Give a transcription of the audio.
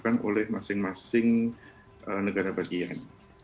pembatasan oleh masing masing negara bagian